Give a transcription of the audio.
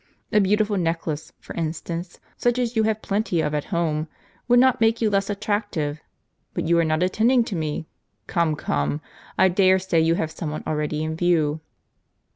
A beautiful necklace, for instance, such as you have plenty of at home, would not make you less attractive. But you are not attending to me. Come, come, I dare say you have some one already in view."